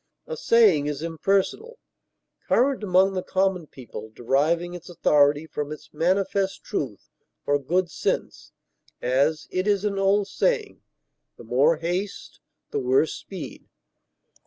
A saying is impersonal, current among the common people, deriving its authority from its manifest truth or good sense; as, it is an old saying, "the more haste, the worse speed."